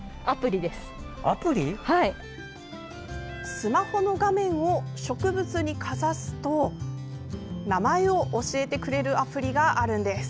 スマホの画面を植物にかざすと名前を教えてくれるアプリがあるんです。